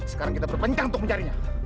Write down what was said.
sekarang kita berpencang untuk mencarinya